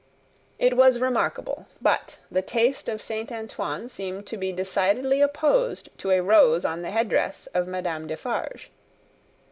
It was remarkable; but, the taste of Saint Antoine seemed to be decidedly opposed to a rose on the head dress of Madame Defarge.